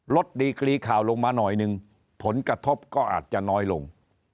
ดีกรีข่าวลงมาหน่อยนึงผลกระทบก็อาจจะน้อยลง